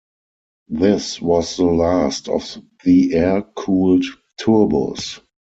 This was the last of the air-cooled Turbos.